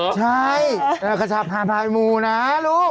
ใช่และกระชับภาพรายมูลนะลูก